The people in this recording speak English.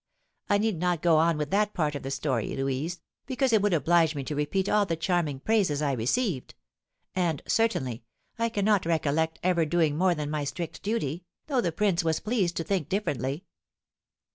I need not go on with that part of the story, Louise, because it would oblige me to repeat all the charming praises I received; and, certainly, I cannot recollect ever doing more than my strict duty, though the prince was pleased to think differently.